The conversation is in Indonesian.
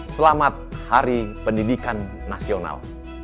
selamat hari pendidikan nasional